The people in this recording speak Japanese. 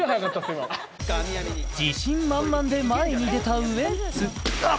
今自信満々で前に出たウエンツ